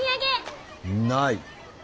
ない。